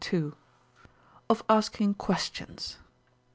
Of asking Questions.